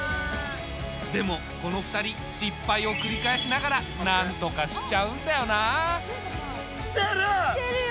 でもこの２人失敗を繰り返しながらなんとかしちゃうんだよなあ。来てる！来てるよこれ！